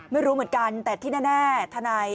ไม่รู้เหมือนกันแต่ที่แน่ทนาย